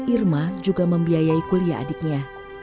irma juga membiayai kuliah adiknya